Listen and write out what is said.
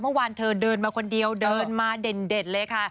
เมื่อวานเธอเดินมาคนเดียวเดินมาเด่นเลยค่ะ